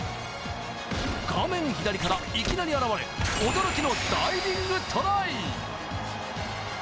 画面左からいきなり現れ、驚きのダイビングトライ！